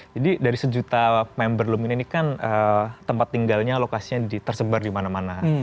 jadi dari sejuta member lumina ini kan tempat tinggalnya lokasinya tersebar dimana mana